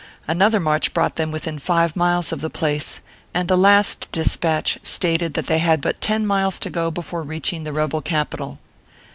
Another march brought them within five miles of the place ; and the last despatch stated that they had but ten miles to go before reaching the rebel capital.